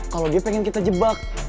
kalau dia pengen kita jebak